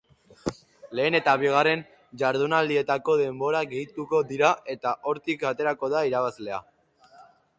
Lehen eta bigarren jardunaldietako denborak gehituko dira eta hortik aterako da irabazlea.